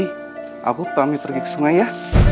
ini aku pamit pergi ke sungai ya